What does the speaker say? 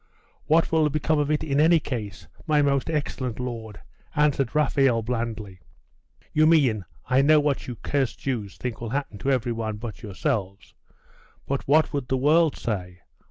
'What will become of it in any case, my most excellent lord?' answered Raphael blandly. 'You mean I know what you cursed Jews think will happen to every one but yourselves. But what would the world say?